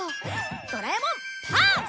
ドラえもんパス！